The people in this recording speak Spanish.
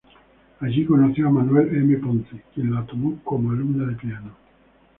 Allí, conoció a Manuel M. Ponce quien la tomó como alumna de piano.